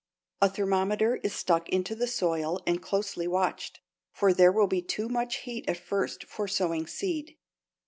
A thermometer is stuck into the soil and closely watched, for there will be too much heat at first for sowing seed.